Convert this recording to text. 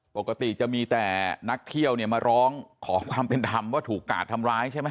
ปกติจะมีแต่นักเที่ยวเนี่ยมาร้องขอความเป็นธรรมว่าถูกกาดทำร้ายใช่ไหม